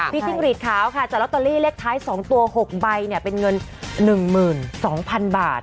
จิ้งหรีดขาวค่ะจากลอตเตอรี่เลขท้าย๒ตัว๖ใบเป็นเงิน๑๒๐๐๐บาท